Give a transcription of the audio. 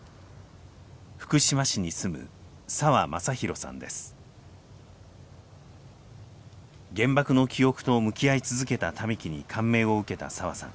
福島市に住む原爆の記憶と向き合い続けた民喜に感銘を受けた澤さん。